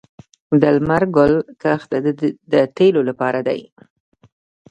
د لمر ګل کښت د تیلو لپاره دی